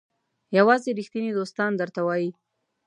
یوازې ریښتیني دوستان درته وایي.